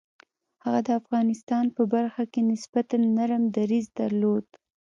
هغه د افغانستان په برخه کې نسبتاً نرم دریځ درلود.